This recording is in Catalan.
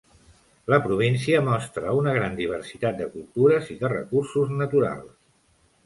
La província mostra una gran diversitat de cultures i de recursos naturals.